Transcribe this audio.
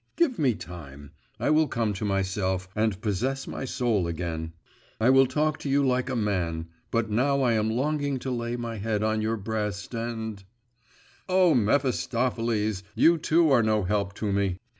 … Give me time; I will come to myself, and possess my soul again; I will talk to you like a man, but now I am longing to lay my head on your breast and Oh Mephistopheles! you too are no help to me!